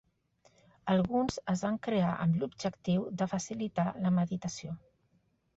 Alguns es van crear amb l'objectiu de facilitar la meditació.